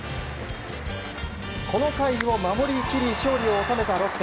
この回を守り切り勝利を収めたロッテ。